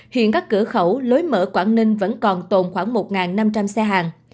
hiện các cửa khẩu lối mở quảng ninh vẫn còn tồn khoảng một năm trăm linh